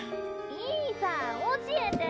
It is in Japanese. いいさ教えて。